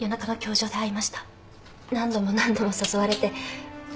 何度も何度も誘われて。